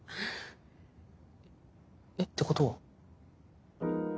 えっ？てことは。